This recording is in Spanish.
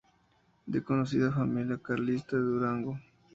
De conocida familia carlista de Durango.